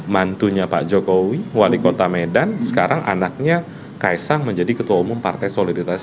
mantunya pak jokowi wali kota medan sekarang anaknya kaisang menjadi ketua umum partai soliditas